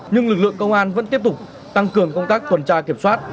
nhưng lực lượng công an vẫn tiếp tục tăng cường công tác tuần tra kiểm soát